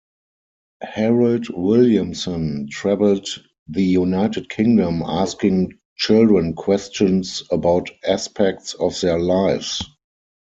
Harold Williamson traveled the United Kingdom asking children questions about aspects of their lives.